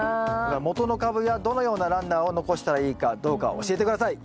元の株やどのようなランナーを残したらいいかどうか教えて下さい。